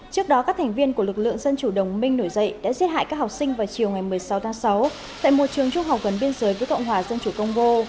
trước đó các thành viên của lực lượng dân chủ đồng minh nổi dậy đã giết hại các học sinh vào chiều ngày một mươi sáu tháng sáu tại một trường trung học gần biên giới với cộng hòa dân chủ congo